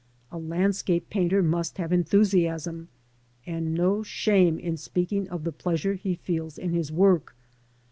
A landscape painter must have enthusiasm, and no shame in speaking of the pleasure he feels in his work.